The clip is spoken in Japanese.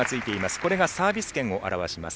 これがサービス権を表します。